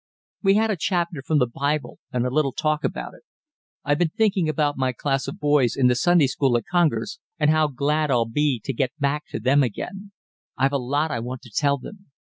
"We had a chapter from the Bible and a little talk about it. I've been thinking about my class of boys in the Sunday school at Congers, and how glad I'll be to get back to them again; I've a lot I want to tell them.